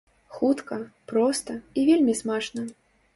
Хутка, проста і вельмі смачна!